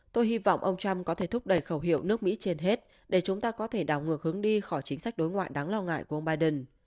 tôi hy vọng ông trump có thể thúc đẩy khẩu hiệu nước mỹ trên hết để chúng ta có thể đảo ngược hướng đi khỏi chính sách đối ngoại đáng lo ngại của ông biden